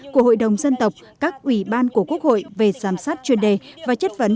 của hội đồng dân tộc các ủy ban của quốc hội về giám sát chuyên đề và chất vấn